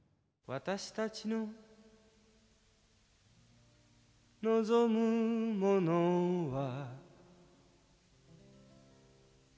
「私たちの望むものは」